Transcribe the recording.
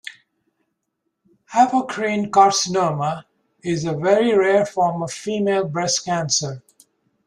Apocrine carcinoma is a very rare form of female breast cancer.